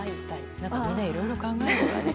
みんないろいろ考えるんだね。